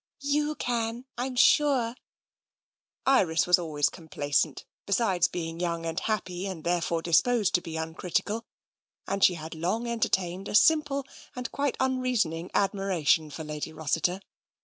'' You can, I'm sure." Iris was always complaisant, besides being young and happy and therefore disposed to be uncritical, and she had long entertained a simple and quite unreason ing admiration for Lady Rossiter.